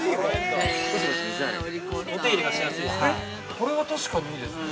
◆これは確かにいいですね。